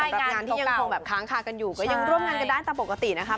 รับงานที่ยังคงแบบค้างคากันอยู่ก็ยังร่วมงานกันได้ตามปกตินะคะ